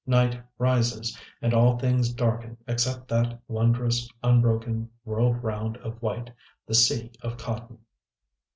Night rises; and all things darken except that wondrous unbroken world round of white, the Sea of Cotton.